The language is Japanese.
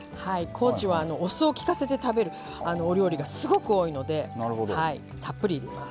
高知はお酢を利かせて食べるお料理がすごく多いのでたっぷり入れます。